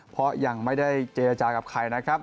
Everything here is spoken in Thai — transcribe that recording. เพราะยังไม่ได้เจรจากับใครนะครับ